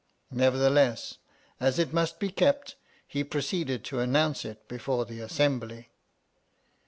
Never theless, as it must be kept, he proceeded to announce it before the assembly.